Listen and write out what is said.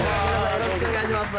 よろしくお願いします。